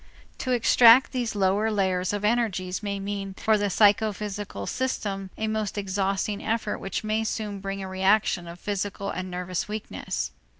To extract these lowest layers of energies may mean for the psychophysical system a most exhausting effort which may soon bring a reaction of physical and nervous weakness.